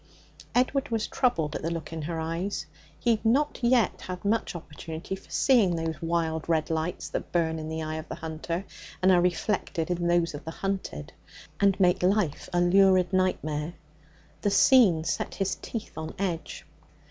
Edward was troubled at the look in her eyes. He had not yet had much opportunity for seeing those wild red lights that burn in the eyes of the hunter, and are reflected in those of the hunted, and make life a lurid nightmare. The scene set his teeth on edge.